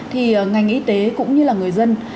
thì ngành y tế cũng như là người dân